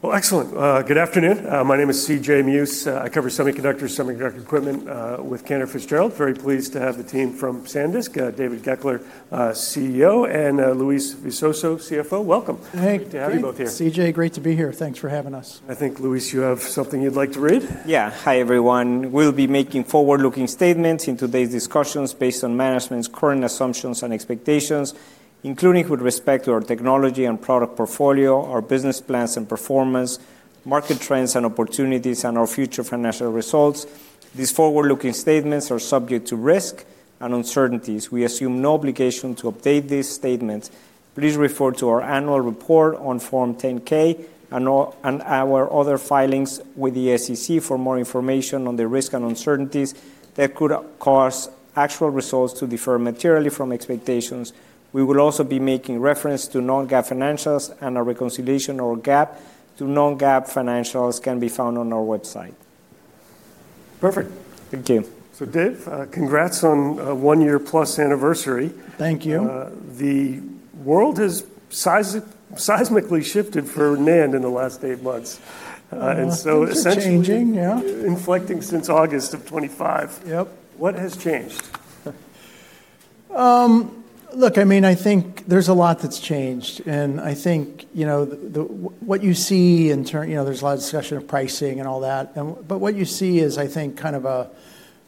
Well, excellent. Good afternoon. My name is C.J. Muse. I cover semiconductors, semiconductor equipment, with Cantor Fitzgerald. Very pleased to have the team from SanDisk, David Goeckeler, CEO, and Luis Visoso, CFO Welcome. Hey. Good to have you both here. C.J., great to be here. Thanks for having us. I think, Luis, you have something you'd like to read? Yeah. Hi, everyone. We'll be making forward-looking statements in today's discussions based on management's current assumptions and expectations, including with respect to our technology and product portfolio, our business plans and performance, market trends and opportunities, and our future financial results. These forward-looking statements are subject to risk and uncertainties. We assume no obligation to update these statements. Please refer to our annual report on Form 10-K and our other filings with the SEC for more information on the risks and uncertainties that could cause actual results to differ materially from expectations. We will also be making reference to non-GAAP financials, and a reconciliation of GAAP to non-GAAP financials can be found on our website. Perfect. Thank you. Dave, congrats on a one-year-plus anniversary. Thank you. The world has seismically shifted for NAND in the last eight months, essentially. Well, things are changing, yeah. Inflecting since August of 2025. Yep. What has changed? Look, I mean, I think there's a lot that's changed, and I think, you know, what you see, you know, there's a lot of discussion of pricing and all that. What you see is, I think, kind of a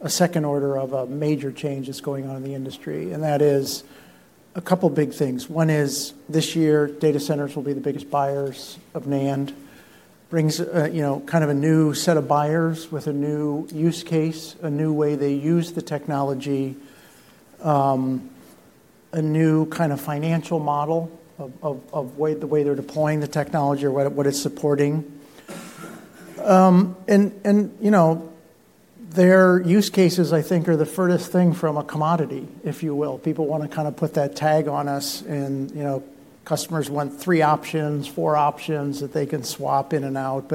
second order of a major change that's going on in the industry, and that is a couple big things. One is this year, data centers will be the biggest buyers of NAND. Brings, you know, kind of a new set of buyers with a new use case, a new way they use the technology, a new kind of financial model of the way they're deploying the technology or what it's supporting. You know, their use cases, I think, are the furthest thing from a commodity, if you will. People wanna kinda put that tag on us and, you know, customers want three options, four options that they can swap in and out.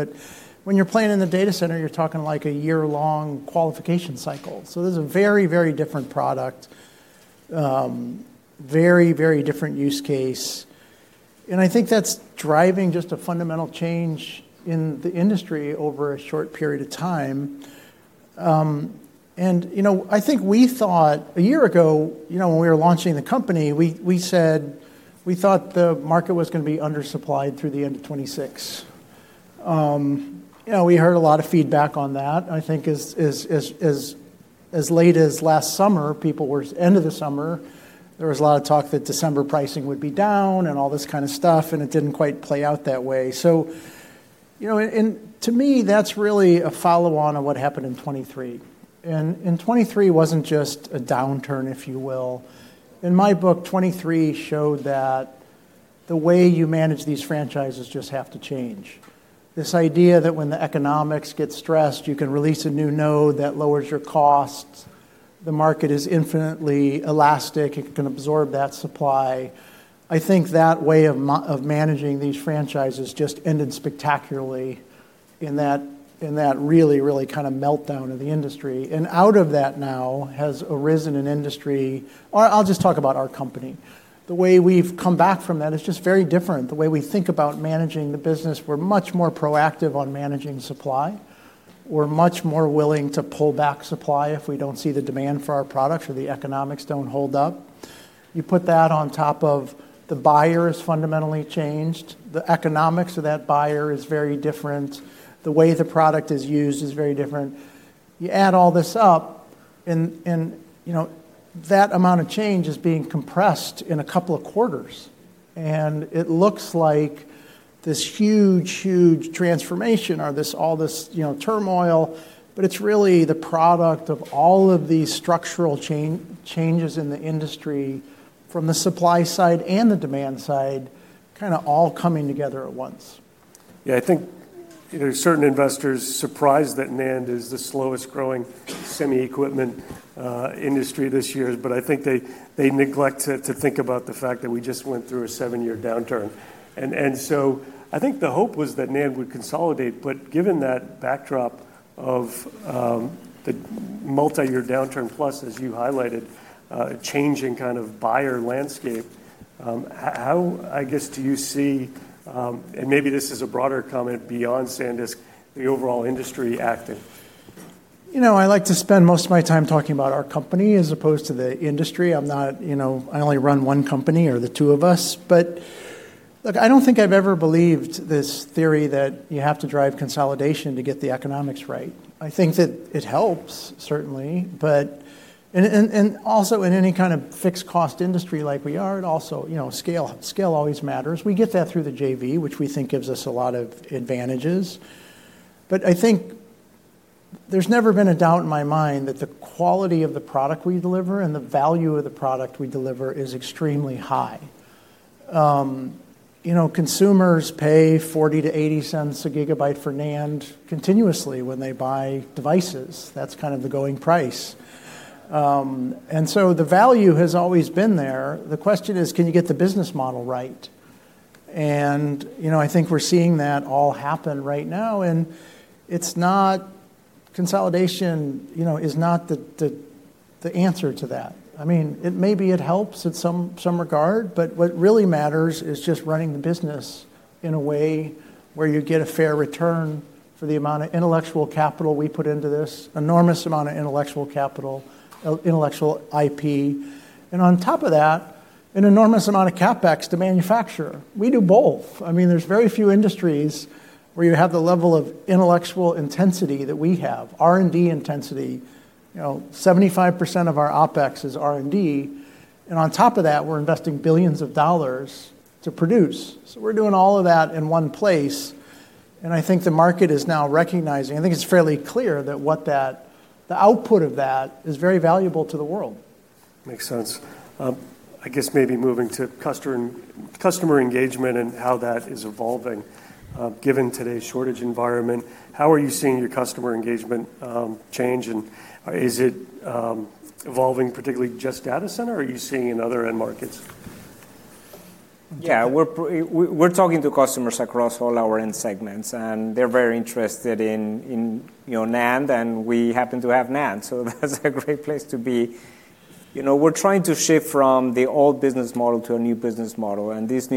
When you're playing in the data center, you're talking like a year-long qualification cycle. This is a very, very different product. Very, very different use case. I think that's driving just a fundamental change in the industry over a short period of time. You know, I think we thought a year ago, you know, when we were launching the company, we said we thought the market was gonna be undersupplied through the end of 2026. You know, we heard a lot of feedback on that. I think as late as last summer, end of the summer, there was a lot of talk that December pricing would be down and all this kinda stuff, and it didn't quite play out that way. You know, to me, that's really a follow-on of what happened in 2023. 2023 wasn't just a downturn, if you will. In my book, 2023 showed that the way you manage these franchises just have to change. This idea that when the economics get stressed, you can release a new node that lowers your costs. The market is infinitely elastic. It can absorb that supply. I think that way of managing these franchises just ended spectacularly in that really kinda meltdown of the industry. I'll just talk about our company. The way we've come back from that is just very different. The way we think about managing the business, we're much more proactive on managing supply. We're much more willing to pull back supply if we don't see the demand for our products or the economics don't hold up. You put that on top of the buyer is fundamentally changed. The economics of that buyer is very different. The way the product is used is very different. You add all this up and, you know, that amount of change is being compressed in a couple of quarters. It looks like this huge transformation or this, all this, you know, turmoil, but it's really the product of all of these structural changes in the industry from the supply side and the demand side kinda all coming together at once. Yeah. I think, you know, certain investors surprised that NAND is the slowest-growing semi equipment industry this year. I think they neglect to think about the fact that we just went through a seven-year downturn. So, I think the hope was that NAND would consolidate, but given that backdrop of the multi-year downturn, plus, as you highlighted, a changing kind of buyer landscape, how, I guess, do you see and maybe this is a broader comment beyond SanDisk, the overall industry acting? You know, I like to spend most of my time talking about our company as opposed to the industry. I'm not, you know, I only run one company, or the two of us. Look, I don't think I've ever believed this theory that you have to drive consolidation to get the economics right. I think that it helps certainly, but also in any kind of fixed cost industry like we are, it also, you know, scale always matters. We get that through the JV, which we think gives us a lot of advantages. I think there's never been a doubt in my mind that the quality of the product we deliver and the value of the product we deliver is extremely high. You know, consumers pay $0.40-$0.80 a GB for NAND continuously when they buy devices. That's kind of the going price. The value has always been there. The question is, can you get the business model right? You know, I think we're seeing that all happen right now. It's not consolidation. You know, consolidation is not the answer to that. I mean, it maybe helps in some regard, but what really matters is just running the business in a way where you get a fair return for the amount of intellectual capital we put into this, enormous amount of intellectual capital, intellectual IP. On top of that, an enormous amount of CapEx to manufacture. We do both. I mean, there's very few industries where you have the level of intellectual intensity that we have. R&D intensity, you know, 75% of our OpEx is R&D, and on top of that, we're investing billions of dollars to produce. We're doing all of that in one place, and I think the market is now recognizing. I think it's fairly clear that what that the output of that is very valuable to the world. Makes sense. I guess maybe moving to customer engagement and how that is evolving. Given today's shortage environment, how are you seeing your customer engagement change, and is it evolving particularly just data center or are you seeing in other end markets? Yeah. We're talking to customers across all our end segments, and they're very interested in, you know, NAND, and we happen to have NAND, so that's a great place to be. You know, we're trying to shift from the old business model to a new business model, and this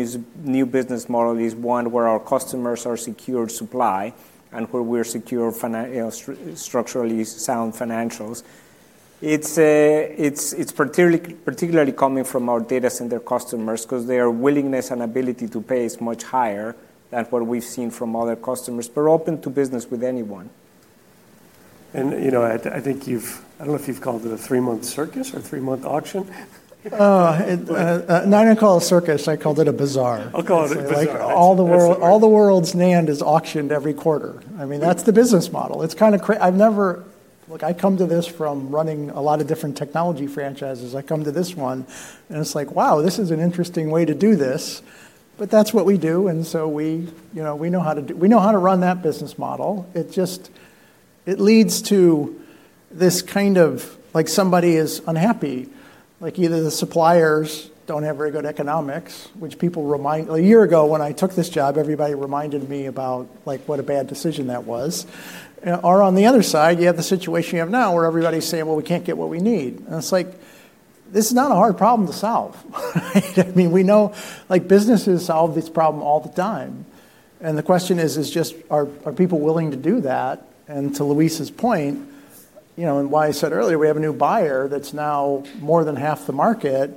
new business model is one where our customers are secure supply and where we're secure, you know, structurally sound financials. It's particularly coming from our data center customers 'cause their willingness and ability to pay is much higher than what we've seen from other customers. We're open to business with anyone. You know, I don't know if you've called it a three-month circus or three-month auction. No, I didn't call it a circus. I called it a bazaar. I'll call it a bazaar. All the world's NAND is auctioned every quarter. I mean, that's the business model. Look, I come to this from running a lot of different technology franchises. I come to this one, and it's like, "Wow, this is an interesting way to do this," but that's what we do, and so we, you know, we know how to run that business model. It just. It leads to this kind of like somebody is unhappy, like either the suppliers don't have very good economics, which people remind. A year ago, when I took this job, everybody reminded me about, like, what a bad decision that was. On the other side, you have the situation you have now, where everybody's saying, "Well, we can't get what we need." It's like, this is not a hard problem to solve, right? I mean, we know, like, businesses solve this problem all the time. The question is, are people willing to do that? To Luis' point, you know, and why I said earlier, we have a new buyer that's now more than half the market.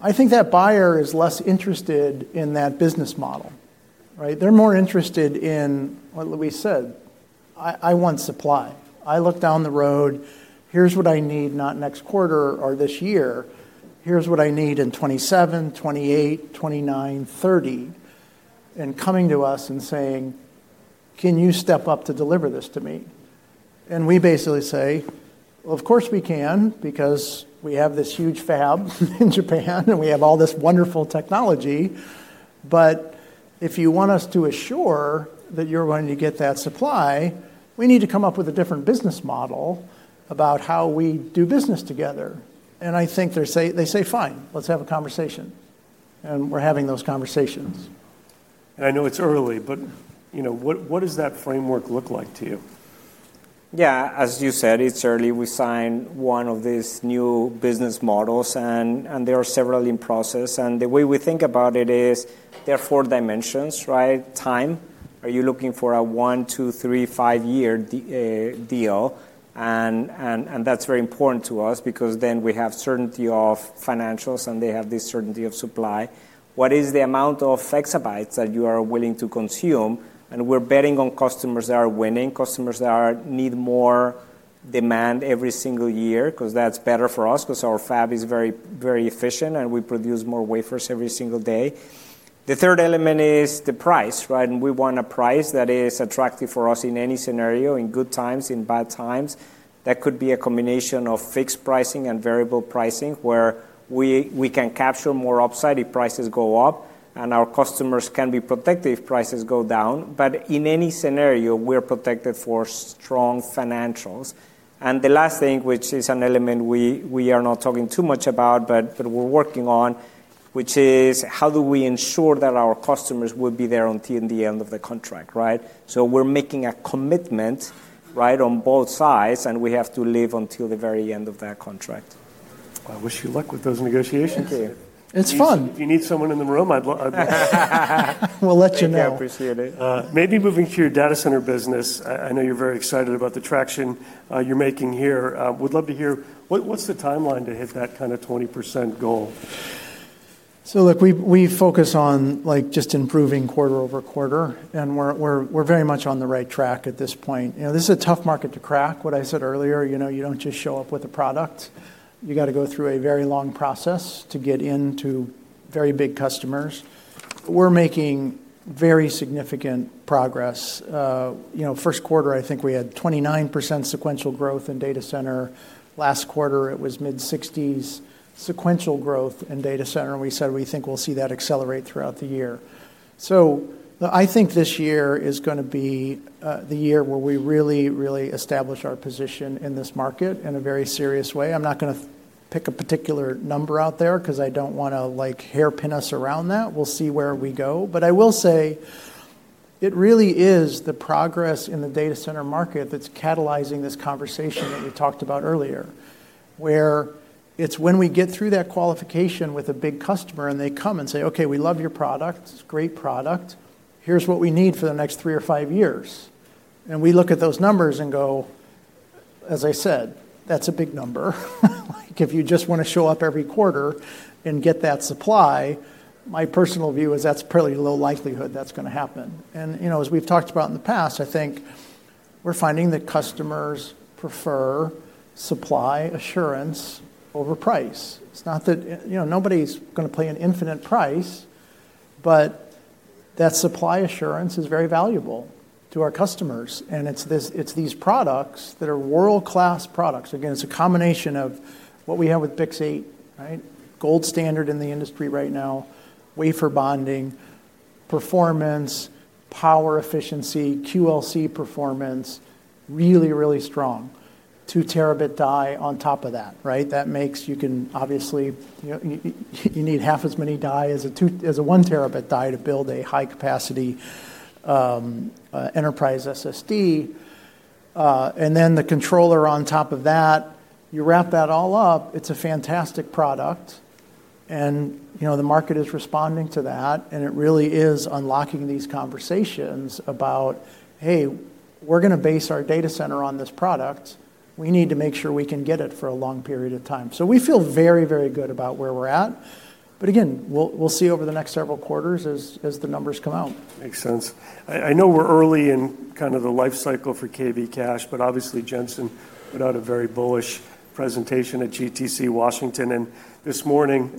I think that buyer is less interested in that business model, right? They're more interested in what Luis said, "I want supply. I look down the road, here's what I need not next quarter or this year. Here's what I need in 2027, 2028, 2029, 2030, and coming to us and saying, "Can you step up to deliver this to me?" We basically say, "Of course we can because we have this huge fab in Japan, and we have all this wonderful technology." If you want us to assure that you're going to get that supply, we need to come up with a different business model about how we do business together, and I think they say, "Fine. Let's have a conversation." We're having those conversations. I know it's early, but, you know, what does that framework look like to you? Yeah. As you said, it's early. We signed one of these new business models and there are several in process. The way we think about it is there are four dimensions, right? Time. Are you looking for a one, two, three, five-year deal? That's very important to us because then we have certainty of financials, and they have the certainty of supply. What is the amount of exabytes that you are willing to consume? We're betting on customers that are winning, customers that need more demand every single year cause that's better for us cause our fab is very, very efficient, and we produce more wafers every single day. The third element is the price, right? We want a price that is attractive for us in any scenario, in good times, in bad times. That could be a combination of fixed pricing and variable pricing, where we can capture more upside if prices go up, and our customers can be protected if prices go down. In any scenario, we're protected for strong financials. The last thing, which is an element we are not talking too much about but we're working on, which is how do we ensure that our customers will be there until the end of the contract, right? We're making a commitment, right, on both sides, and we have to live until the very end of that contract. I wish you luck with those negotiations. Thank you. It's fun. If you need someone in the room, I'd love. We'll let you know. I appreciate it. Maybe moving to your data center business. I know you're very excited about the traction you're making here. Would love to hear what's the timeline to hit that kind of 20% goal? Look, we focus on, like, just improving quarter-over-quarter, and we're very much on the right track at this point. You know, this is a tough market to crack. What I said earlier, you know, you don't just show up with a product. You gotta go through a very long process to get into very big customers. We're making very significant progress. You know, first quarter, I think we had 29% sequential growth in data center. Last quarter, it was mid-60s% sequential growth in data center, and we said we think we'll see that accelerate throughout the year. I think this year is gonna be the year where we really establish our position in this market in a very serious way. I'm not gonna pick a particular number out there because I don't want to like hairpin us around that. We'll see where we go. I will say it really is the progress in the data center market that's catalyzing this conversation that we talked about earlier, where it's when we get through that qualification with a big customer and they come and say, "Okay, we love your product. It's a great product. Here's what we need for the next three or five years." We look at those numbers and go, as I said, that's a big number. Like, if you just want to show up every quarter and get that supply, my personal view is that's pretty low likelihood that's going to happen. You know, as we've talked about in the past, I think we're finding that customers prefer supply assurance over price. It's not that. You know, nobody's gonna pay an infinite price, but that supply assurance is very valuable to our customers, and it's these products that are world-class products. Again, it's a combination of what we have with BiCS8, right? Gold standard in the industry right now, wafer bonding, performance, power efficiency, QLC performance, really, really strong. Two-terabit die on top of that, right? You know, you need half as many die as a 1 Tb die to build a high-capacity enterprise SSD. And then the controller on top of that, you wrap that all up, it's a fantastic product. You know, the market is responding to that, and it really is unlocking these conversations about, hey, we're gonna base our data center on this product. We need to make sure we can get it for a long period of time. We feel very, very good about where we're at. Again, we'll see over the next several quarters as the numbers come out. Makes sense. I know we're early in kind of the life cycle for KV Cache, but obviously Jensen put out a very bullish presentation at GTC Washington, D.C. This morning,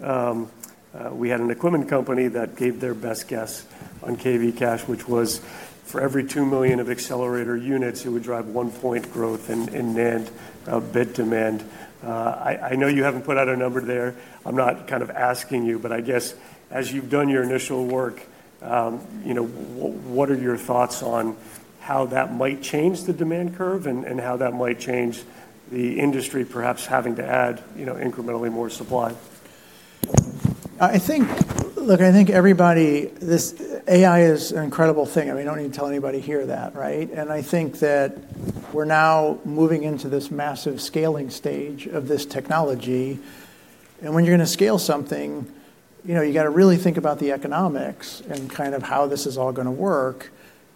we had an equipment company that gave their best guess on KV Cache, which was for every 2 million accelerator units, it would drive 1% growth in NAND bit demand. I know you haven't put out a number there. I'm not kind of asking you, but I guess as you've done your initial work, you know, what are your thoughts on how that might change the demand curve and how that might change the industry perhaps having to add, you know, incrementally more supply? Look, I think everybody. This AI is an incredible thing. I mean, I don't need to tell anybody here that, right? I think that we're now moving into this massive scaling stage of this technology. When you're gonna scale something, you know, you gotta really think about the economics and kind of how this is all gonna work.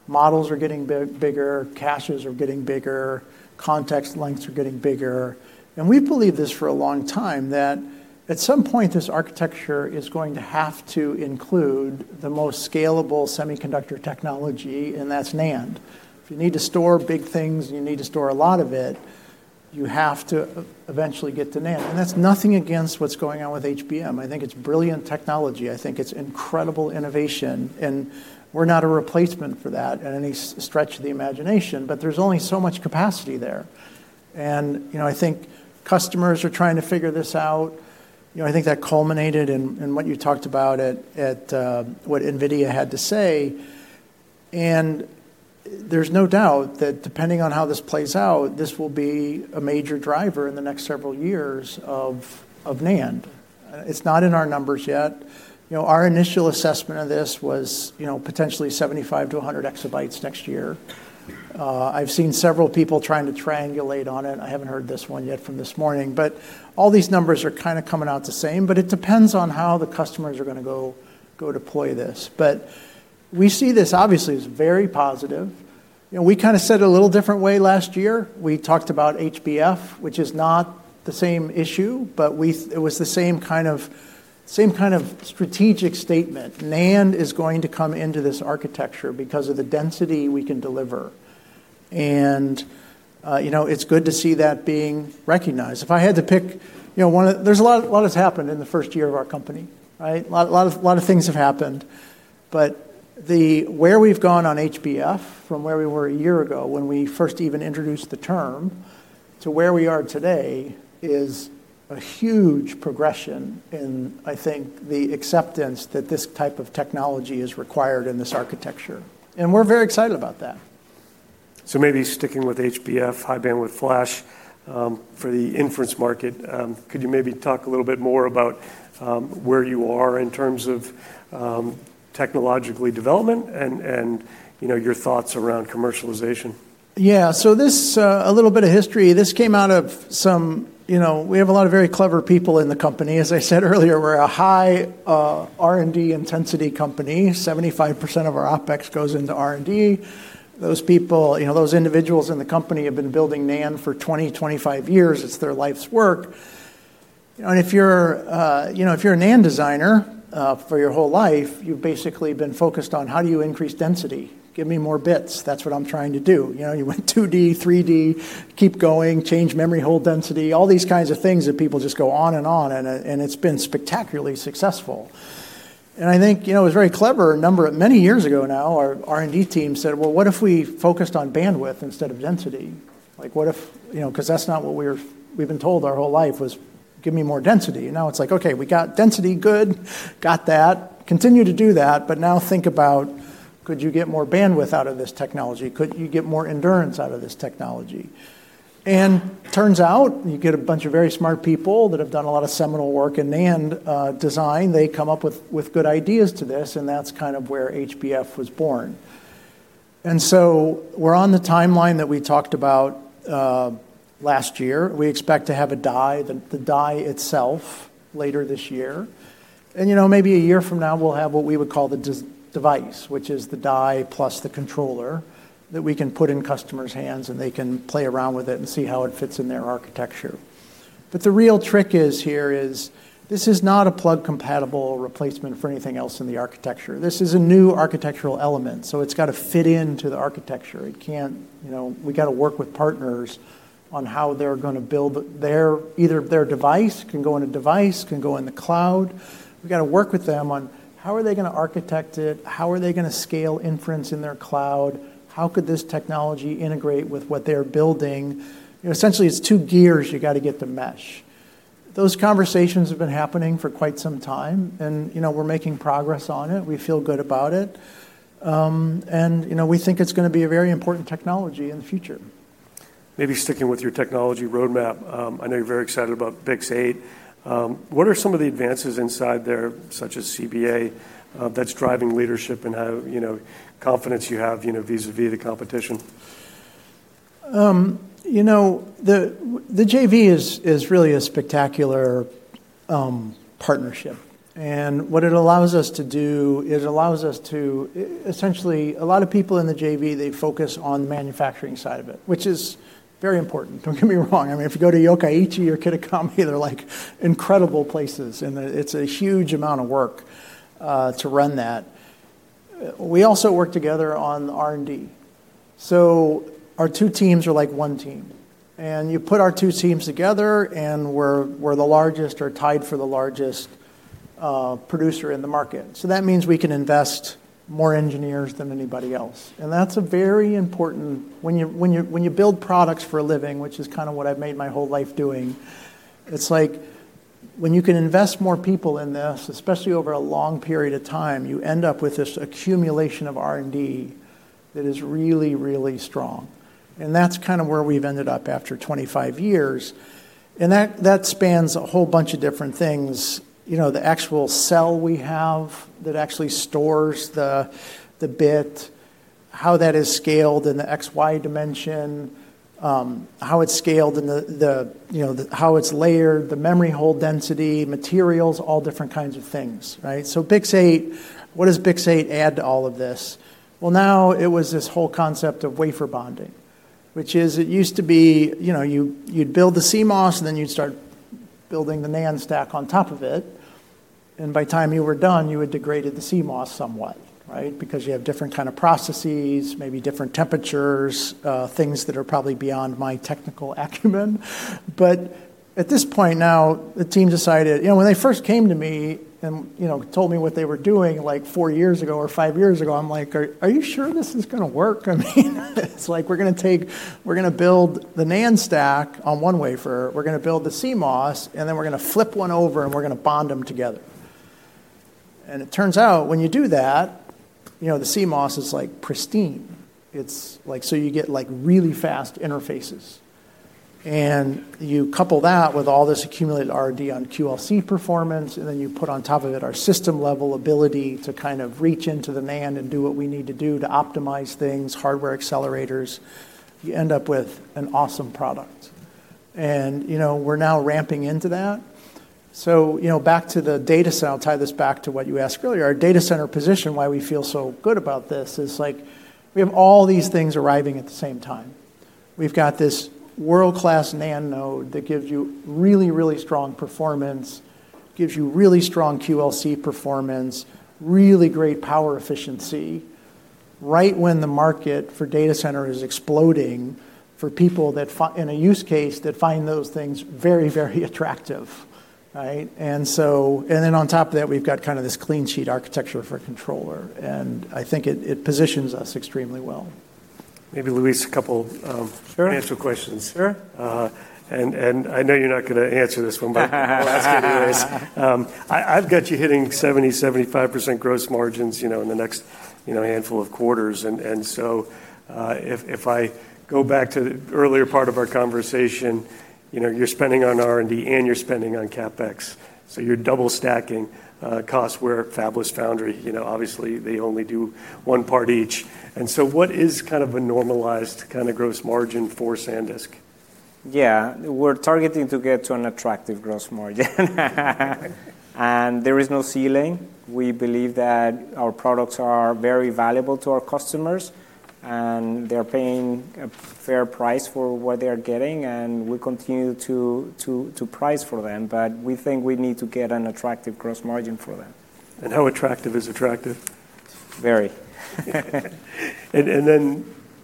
Models are getting bigger, caches are getting bigger, context lengths are getting bigger. We believe this for a long time, that at some point, this architecture is going to have to include the most scalable semiconductor technology, and that's NAND. If you need to store big things, and you need to store a lot of it, you have to eventually get to NAND. That's nothing against what's going on with HBM. I think it's brilliant technology. I think it's incredible innovation, and we're not a replacement for that in any stretch of the imagination. There's only so much capacity there. You know, I think customers are trying to figure this out. You know, I think that culminated in what you talked about at what NVIDIA had to say. There's no doubt that depending on how this plays out, this will be a major driver in the next several years of NAND. It's not in our numbers yet. You know, our initial assessment of this was, you know, potentially 75-100 EB next year. I've seen several people trying to triangulate on it. I haven't heard this one yet from this morning. All these numbers are kind of coming out the same, but it depends on how the customers are gonna go deploy this. We see this obviously as very positive. You know, we kind of said a little different way last year. We talked about HBF, which is not the same issue, but it was the same kind of strategic statement. NAND is going to come into this architecture because of the density we can deliver. You know, it's good to see that being recognized. If I had to pick, you know, there's a lot that has happened in the first year of our company, right? A lot of things have happened. Where we've gone on HBF from where we were a year ago when we first even introduced the term to where we are today is a huge progression in, I think, the acceptance that this type of technology is required in this architecture, and we're very excited about that. Maybe sticking with HBF, high-bandwidth flash, for the inference market, could you maybe talk a little bit more about where you are in terms of technological development and, you know, your thoughts around commercialization? Yeah. This, a little bit of history. This came out of some. You know, we have a lot of very clever people in the company. As I said earlier, we're a high R&D intensity company. 75% of our OpEx goes into R&D. Those people, you know, those individuals in the company have been building NAND for 20-25 years. It's their life's work. If you're, you know, if you're a NAND designer, for your whole life, you've basically been focused on how do you increase density? Give me more bits. That's what I'm trying to do. You know, you went 2D, 3D, keep going, change memory hole density, all these kinds of things that people just go on and on, and it's been spectacularly successful. I think, you know, it was very clever a number of many years ago now, our R&D team said, "Well, what if we focused on bandwidth instead of density?" Like, what if you know, 'cause we've been told our whole life was "give me more density." Now it's like, okay, we got density good, got that. Continue to do that, but now think about, could you get more bandwidth out of this technology? Could you get more endurance out of this technology? Turns out you get a bunch of very smart people that have done a lot of seminal work in NAND design. They come up with good ideas to this, and that's kind of where HBF was born. We're on the timeline that we talked about last year. We expect to have a die itself later this year. You know, maybe a year from now, we'll have what we would call the device, which is the die plus the controller that we can put in customers' hands, and they can play around with it and see how it fits in their architecture. The real trick here is this is not a plug-compatible replacement for anything else in the architecture. This is a new architectural element, so it's gotta fit into the architecture. It can't, you know. We gotta work with partners on how they're gonna build their either their device, can go in a device, can go in the cloud. We gotta work with them on how are they gonna architect it, how are they gonna scale inference in their cloud, how could this technology integrate with what they're building. You know, essentially, it's two gears you gotta get to mesh. Those conversations have been happening for quite some time, and, you know, we're making progress on it. We feel good about it. You know, we think it's gonna be a very important technology in the future. Maybe sticking with your technology roadmap, I know you're very excited about BiCS8. What are some of the advances inside there, such as CBA, that's driving leadership and how, you know, confidence you have, you know, vis-à-vis the competition? You know, the JV is really a spectacular partnership, and what it allows us to do is essentially a lot of people in the JV, they focus on the manufacturing side of it, which is very important. Don't get me wrong. I mean, if you go to Yokkaichi or Kitakami, they're like incredible places, and it's a huge amount of work to run that. We also work together on R&D. So our two teams are like one team, and you put our two teams together, and we're the largest or tied for the largest producer in the market. So that means we can invest more engineers than anybody else, and that's a very important. When you build products for a living, which is kinda what I've made my whole life doing, it's like when you can invest more people in this, especially over a long period of time, you end up with this accumulation of R&D that is really, really strong, and that's kinda where we've ended up after 25 years. That spans a whole bunch of different things. You know, the actual cell we have that actually stores the bit, how that is scaled in the X-Y dimension, how it's scaled, you know, how it's layered, the memory hole density, materials, all different kinds of things, right? BiCS8, what does BiCS8 add to all of this? Well, now it was this whole concept of wafer bonding, which is, it used to be, you know, you'd build the CMOS, and then you'd start building the NAND stack on top of it. By the time you were done, you had degraded the CMOS somewhat, right? Because you have different kind of processes, maybe different temperatures, things that are probably beyond my technical acumen. At this point now, the team decided. You know, when they first came to me and, you know, told me what they were doing, like, four years ago or five years ago, I'm like, "Are you sure this is gonna work?" I mean, it's like we're gonna build the NAND stack on one wafer, we're gonna build the CMOS, and then we're gonna flip one over, and we're gonna bond them together. It turns out when you do that, you know, the CMOS is, like, pristine. It's like, so you get, like, really fast interfaces. You couple that with all this accumulated R&D on QLC performance, and then you put on top of it our system-level ability to kind of reach into the NAND and do what we need to do to optimize things, hardware accelerators, you end up with an awesome product. You know, we're now ramping into that. You know, I'll tie this back to what you asked earlier. Our data center position, why we feel so good about this is, like, we have all these things arriving at the same time. We've got this world-class NAND node that gives you really, really strong performance, gives you really strong QLC performance, really great power efficiency right when the market for data center is exploding for people that find in a use case those things very, very attractive, right? On top of that, we've got kinda this clean sheet architecture for controller, and I think it positions us extremely well. Maybe, Luis, a couple. Sure. answer questions. Sure. I know you're not gonna answer this one, but I'll ask anyway. I've got you hitting 70%-75% gross margins, you know, in the next, you know, handful of quarters. If I go back to the earlier part of our conversation, you know, you're spending on R&D, and you're spending on CapEx, so you're double-stacking costs where fabless foundry, you know, obviously they only do one part each. What is kind of a normalized kind of gross margin for SanDisk? Yeah. We're targeting to get to an attractive gross margin. There is no ceiling. We believe that our products are very valuable to our customers, and they're paying a fair price for what they are getting, and we continue to price for them. We think we need to get an attractive gross margin for them. How attractive is attractive? Very.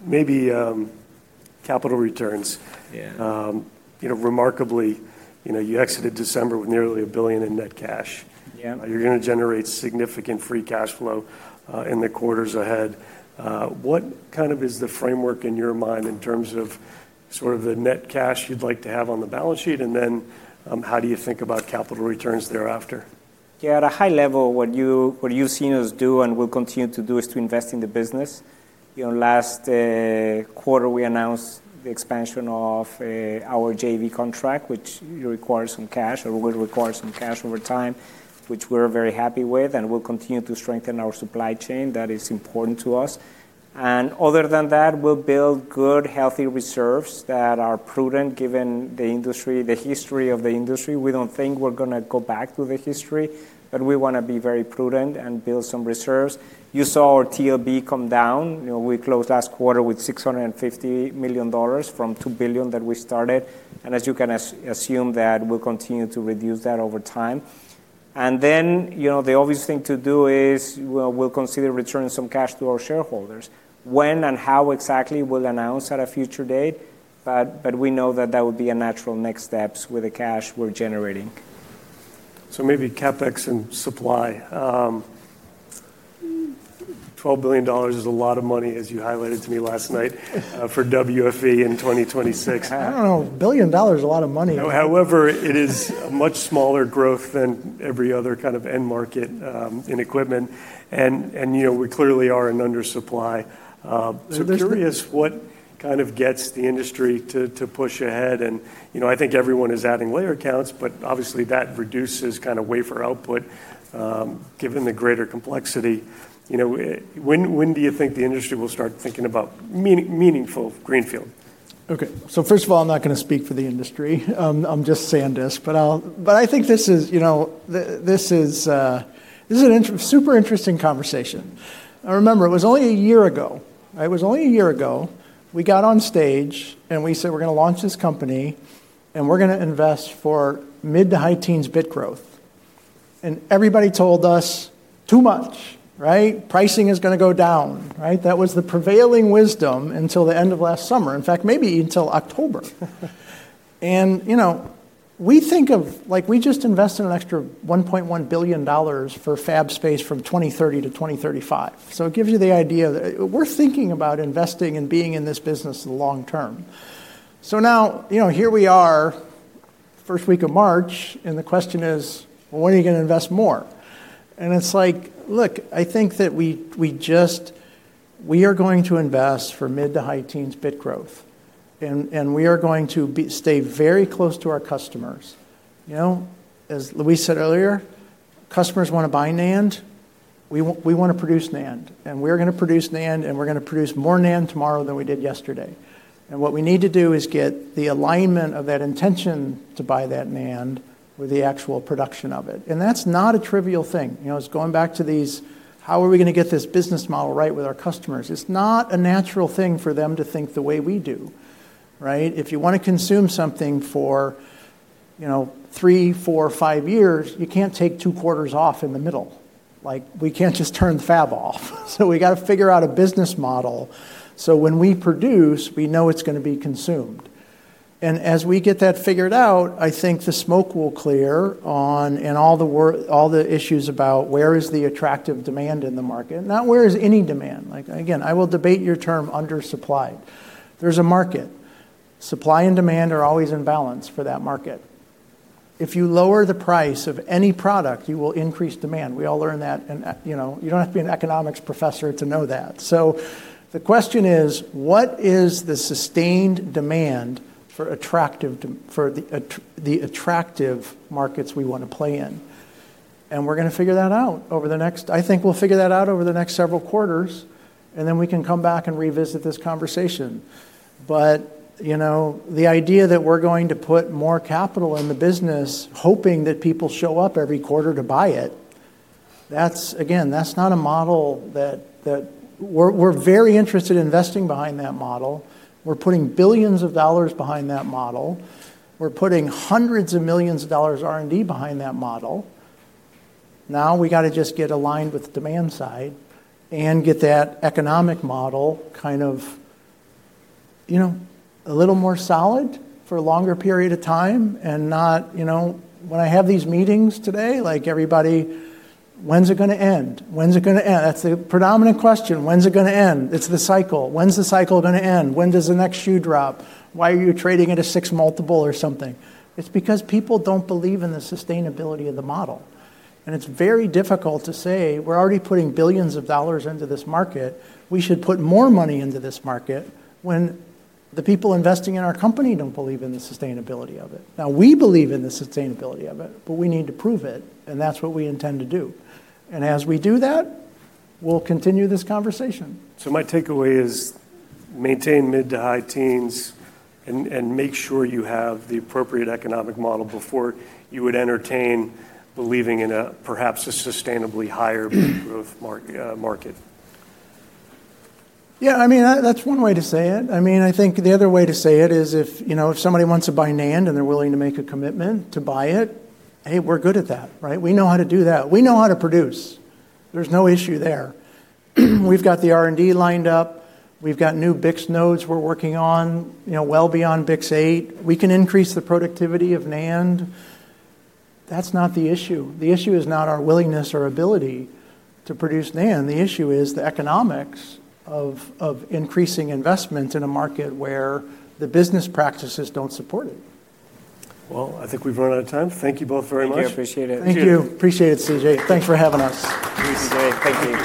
Maybe capital returns. Yeah. You know, remarkably, you know, you exited December with nearly $1 billion in net cash. Yeah. You're gonna generate significant free cash flow in the quarters ahead. What kind of framework is in your mind in terms of sort of the net cash you'd like to have on the balance sheet? How do you think about capital returns thereafter? Yeah, at a high level, what you, what you've seen us do and will continue to do is to invest in the business. You know, last quarter, we announced the expansion of our JV contract, which requires some cash or will require some cash over time, which we're very happy with, and we'll continue to strengthen our supply chain. That is important to us. Other than that, we'll build good, healthy reserves that are prudent given the industry, the history of the industry. We don't think we're gonna go back to the history, but we wanna be very prudent and build some reserves. You saw our TLB come down. You know, we closed last quarter with $650 million from $2 billion that we started. As you can assume that we'll continue to reduce that over time. You know, the obvious thing to do is we'll consider returning some cash to our shareholders. When and how exactly we'll announce at a future date, but we know that would be a natural next steps with the cash we're generating. Maybe CapEx and supply. $12 billion is a lot of money, as you highlighted to me last night for WFE in 2026. I don't know. $1 billion is a lot of money. However, it is a much smaller growth than every other kind of end market in equipment. You know, we clearly are an undersupply. I'm curious what kind of gets the industry to push ahead and, you know, I think everyone is adding layer counts, but obviously that reduces kind of wafer output, given the greater complexity. You know, when do you think the industry will start thinking about meaningful greenfield? Okay. First of all, I'm not gonna speak for the industry. I'm just SanDisk. I think this is, you know, super interesting conversation. Now remember, it was only a year ago, right? It was only a year ago we got on stage and we said, "We're gonna launch this company, and we're gonna invest for mid to high teens bit growth." Everybody told us, "Too much," right? "Pricing is gonna go down," right? That was the prevailing wisdom until the end of last summer. In fact, maybe until October. You know, like, we just invested an extra $1.1 billion for fab space from 2030 to 2035. It gives you the idea that we're thinking about investing and being in this business long term. Now, you know, here we are, first week of March, and the question is, "When are you gonna invest more?" It's like, look, I think that we are going to invest for mid- to high-teens bit growth, and we are going to stay very close to our customers, you know? As Luis said earlier, customers wanna buy NAND, we wanna produce NAND. We're gonna produce NAND, and we're gonna produce more NAND tomorrow than we did yesterday. What we need to do is get the alignment of that intention to buy that NAND with the actual production of it, and that's not a trivial thing. You know, it's going back to these, how are we gonna get this business model right with our customers? It's not a natural thing for them to think the way we do, right? If you wanna consume something for, you know, three, four, five years, you can't take two quarters off in the middle. Like, we can't just turn fab off. We gotta figure out a business model, so when we produce, we know it's gonna be consumed. As we get that figured out, I think the smoke will clear on and all the issues about where is the attractive demand in the market, not where is any demand. Like, again, I will debate your term undersupply. There's a market. Supply and demand are always in balance for that market. If you lower the price of any product, you will increase demand. We all learn that in, you know, you don't have to be an economics professor to know that. The question is, what is the sustained demand for the attractive markets we wanna play in? I think we'll figure that out over the next several quarters, and then we can come back and revisit this conversation. You know, the idea that we're going to put more capital in the business hoping that people show up every quarter to buy it, that's, again, not a model that. We're very interested in investing behind that model. We're putting billions of dollars behind that model. We're putting hundreds of millions of dollars' R&D behind that model. Now we gotta just get aligned with the demand side and get that economic model kind of, you know, a little more solid for a longer period of time. When I have these meetings today, like, everybody, "When's it gonna end? When's it gonna end?" That's the predominant question. "When's it gonna end?" It's the cycle. "When's the cycle gonna end? When does the next shoe drop? Why are you trading at a 6x multiple or something?" It's because people don't believe in the sustainability of the model, and it's very difficult to say, we're already putting billions of dollars into this market, we should put more money into this market, when the people investing in our company don't believe in the sustainability of it. Now, we believe in the sustainability of it, but we need to prove it, and that's what we intend to do. As we do that, we'll continue this conversation. My takeaway is maintain mid- to high-teens and make sure you have the appropriate economic model before you would entertain believing in a perhaps a sustainably higher growth market. Yeah, I mean, that's one way to say it. I mean, I think the other way to say it is if, you know, if somebody wants to buy NAND and they're willing to make a commitment to buy it, hey, we're good at that, right? We know how to do that. We know how to produce. There's no issue there. We've got the R&D lined up. We've got new BiCS nodes we're working on, you know, well beyond BiCS8. We can increase the productivity of NAND. That's not the issue. The issue is not our willingness or ability to produce NAND. The issue is the economics of increasing investment in a market where the business practices don't support it. Well, I think we've run out of time. Thank you both very much. Thank you. I appreciate it. Thank you. Appreciate it, C.J. Thanks for having us. Thank you, C.J. Thank you.